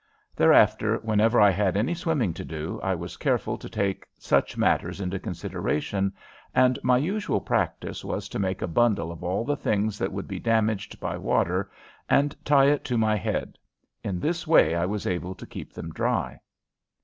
Thereafter, whenever I had any swimming to do, I was careful to take such matters into consideration, and my usual practice was to make a bundle of all the things that would be damaged by water and tie it to my head. In this way I was able to keep them dry.